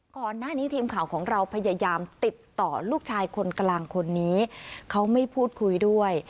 ก่อนหน้านี้ทีมข่าวของเราพยายามติดต่อลูกชายคนกลางคนนี้เขาไม่พูดคุยด้วย